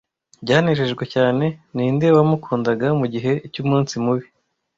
Byanejejwe cyane, ninde wamukundaga mugihe cyumunsi mubi.